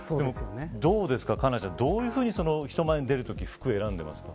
どうですか、佳菜ちゃんどういうふうに人前に出るとき服を選んでいますか。